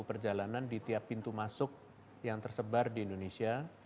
pemerintah juga mencari jalanan di tiap pintu masuk yang tersebar di indonesia